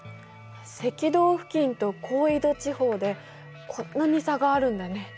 赤道付近と高緯度地方でこんなに差があるんだね。